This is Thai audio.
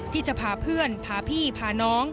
ที่จะพาเพื่อนพาพี่พาน้อง